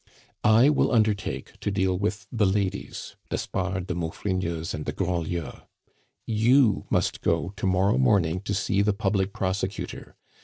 "I will undertake to deal with the ladies d'Espard, de Maufrigneuse, and de Grandlieu. "You must go to morrow morning to see the public prosecutor.